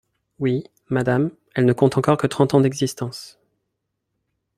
Oui, Madame, elle ne compte encore que trente ans d’existence.